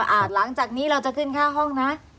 หลังจากนี้เราจะขึ้นค่าห้องนะ